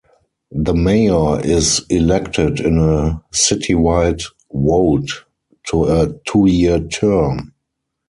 The mayor is elected in a citywide vote to a two-year term.